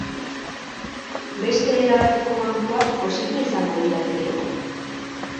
Beste era bateko bankuak posible izango lirateke?